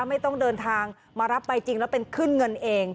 ไม่ต้องเดินทางมารับใบจริงแล้วเป็นขึ้นเงินเอง